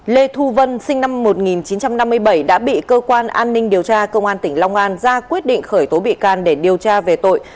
lê thu vân sinh năm một nghìn chín trăm năm mươi bảy đã bị cơ quan an ninh điều tra công an tỉnh long an ra quyết định khởi tố bị can để điều tra về tội